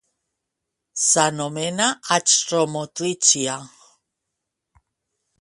S'anomena achromotrichia.